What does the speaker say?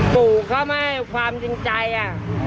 ปู่เขาไม่ให้ความจริงใจอ่ะ